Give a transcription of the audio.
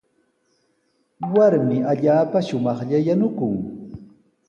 Warmi allaapa shumaqlla yanukun.